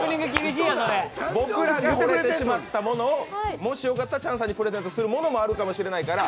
僕らがほれてしまったものをもしよかったらチャンさんにプレゼントするものもあるかもしれないから。